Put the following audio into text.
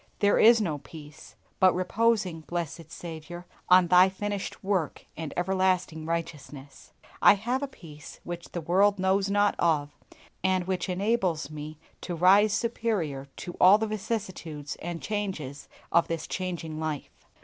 There is no peace! But reposing, blessed Saviour, on Thy finished work and everlasting righteousness, I have a peace which the world knows not of, and which enables me to rise superior to all the vicissitudes and changes of this changing life.